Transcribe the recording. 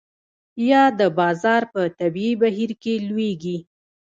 یا د بازار په طبیعي بهیر کې لویږي.